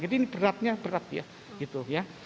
jadi ini beratnya berat ya gitu ya